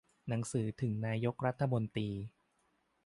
หนังสือถึงนายกรัฐมนตรี